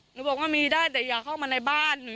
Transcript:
บอกว่ามีได้แต่อย่าเข้ามาในบ้าน